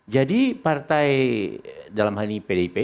jadi partai dalam hal ini pdip